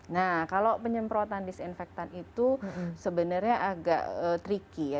nah kalau penyemprotan disinfektan itu sebenarnya agak tricky ya